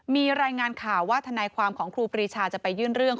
มีรายงานข่าวว่าทนายความของครูปรีชาจะไปยื่นเรื่อง